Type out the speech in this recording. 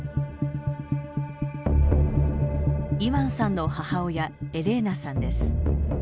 イワンさんの母親エレーナさんです。